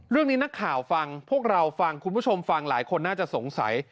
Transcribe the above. เรื่องนี้นักข่าวฟังพวกเราฟังคุณผู้ชมฟังหลายคนน่าจะสงสัย